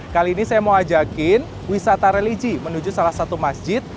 kali ini saya mau ajakin wisata religi menuju salah satu masjid